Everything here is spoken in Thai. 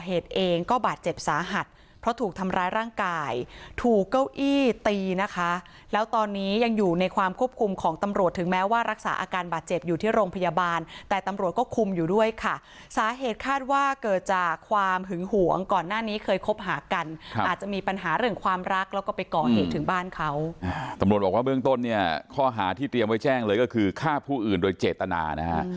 เองก็บาดเจ็บสาหัสเพราะถูกทำร้ายร่างกายถูกเก้าอี้ตีนะคะแล้วตอนนี้ยังอยู่ในความควบคุมของตำรวจถึงแม้ว่ารักษาอาการบาดเจ็บอยู่ที่โรงพยาบาลแต่ตำรวจก็คุมอยู่ด้วยค่ะสาเหตุคาดว่าเกิดจากความหึงหวงก่อนหน้านี้เคยคบหากันอาจจะมีปัญหาเรื่องความรักแล้วก็ไปก่อเหตุถึงบ้านเขาตำรวจบอกว่า